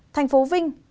thành phố vinh